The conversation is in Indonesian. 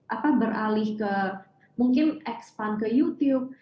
apa beralih ke mungkin expand ke youtube